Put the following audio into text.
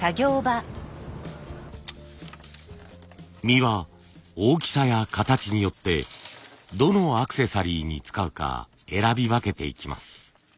実は大きさや形によってどのアクセサリーに使うか選び分けていきます。